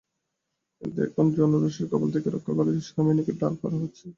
কিন্তু এখন জনরোষের কবল থেকে রক্ষার জন্য সেনাবাহিনীকে ঢাল করা হচ্ছে।